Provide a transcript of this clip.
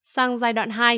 sang giai đoạn hai